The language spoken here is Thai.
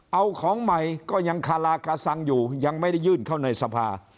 เอาของใหม่ก็ยังคาราคาซังอยู่ยังไม่ได้ยื่นเข้าในสภา